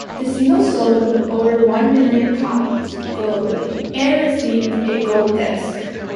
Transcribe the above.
The single sold over one million copies globally, and received a gold disc.